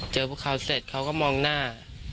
พวกเขาเสร็จเขาก็มองหน้า